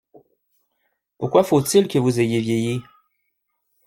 Pourquoi faut-il que vous ayez vieilli?